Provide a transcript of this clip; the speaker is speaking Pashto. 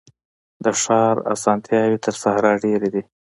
د ښار اسانتیاوي تر صحرا ډیري دي.